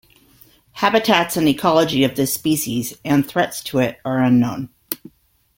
Habitats and ecology of this species, and threats to it, are unknown.